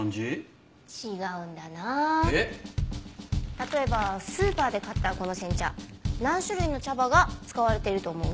例えばスーパーで買ったこの煎茶何種類の茶葉が使われていると思う？